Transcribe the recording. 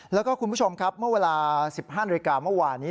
แล้วก็คุณผู้ชมครับเมื่อเวลา๑๕นาฬิกาเมื่อวานนี้